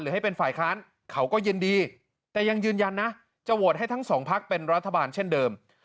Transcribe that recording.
ให้เป็นฝ่ายค้านเขาก็ยินดีแต่ยังยืนยันนะจะโหวตให้ทั้งสองพักเป็นรัฐบาลเช่นเดิม